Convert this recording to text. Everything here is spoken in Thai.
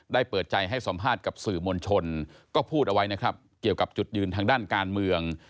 เปิดใจให้สัมภาษณ์กับสื่อมวลชนก็พูดเอาไว้นะครับเกี่ยวกับจุดยืนทางด้านการเมือง